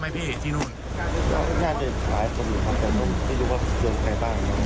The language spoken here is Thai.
ก็ไม่รู้ว่าเขายุงใครต้อง